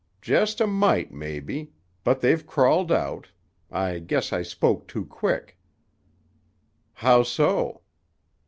"Just a mite, maybe. But they've crawled out. I guess I spoke too quick." "How so?"